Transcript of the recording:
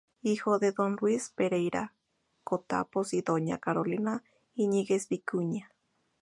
Hijo de don Luis Pereira Cotapos y doña "Carolina Íñiguez Vicuña".